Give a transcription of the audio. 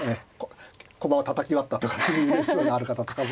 駒をたたき割ったとかそういう逸話がある方とかで。